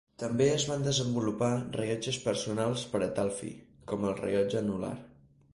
També es van desenvolupar rellotges personals per a tal fi, com el rellotge anular.